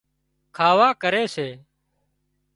کاوا ڪري سي